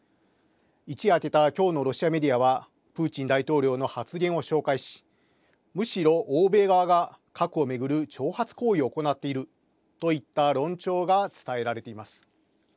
一夜明けた今日のロシアメディアはプーチン大統領の発言を紹介しむしろ欧米側が核を巡る挑発行為を行っているといった論調が伝えられています。